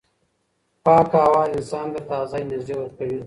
پاکه هوا انسان ته تازه انرژي ورکوي.